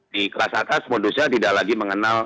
di kelas atas modusnya tidak lagi mengenal